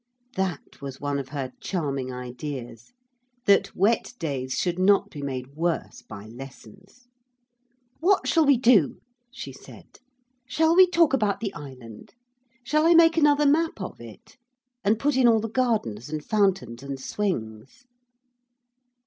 That was one of her charming ideas that wet days should not be made worse by lessons. 'What shall we do?' she said; 'shall we talk about the island? Shall I make another map of it? And put in all the gardens and fountains and swings?'